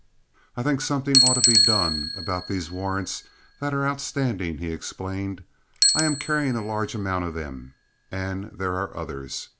"I think something ought to be done about these warrants that are outstanding," he explained. "I am carrying a large amount of them, and there are others.